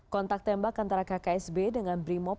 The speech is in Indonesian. kontak tembak antara kksb dengan brimob